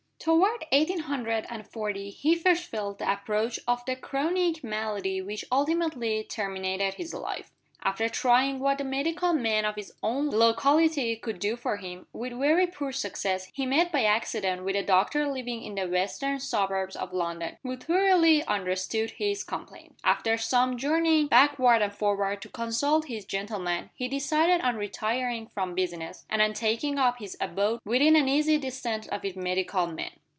Toward eighteen hundred and forty he first felt the approach of the chronic malady which ultimately terminated his life. After trying what the medical men of his own locality could do for him, with very poor success, he met by accident with a doctor living in the western suburbs of London, who thoroughly understood his complaint. After some journeying backward and forward to consult this gentleman, he decided on retiring from business, and on taking up his abode within an easy distance of his medical man.